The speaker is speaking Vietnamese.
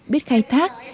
biết khai thác